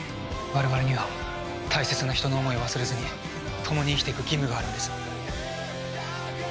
「われわれには大切な人の思いを忘れずに共に生きていく義務があるんです」